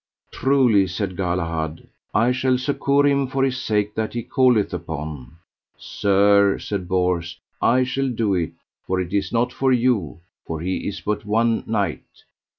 Truly, said Galahad, I shall succour him for His sake that he calleth upon. Sir, said Bors, I shall do it, for it is not for you, for he is but one knight.